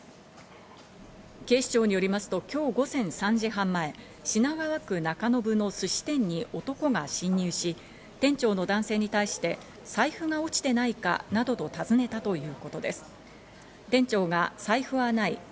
警視庁によりますと今日午前３時半前、品川区中延のすし店に男が侵入し、店長の男性に対して財布が落ちてないか？などと尋ねたということです。